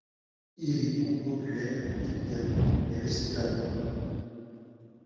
Irritant oculaire, épidermique et respiratoire.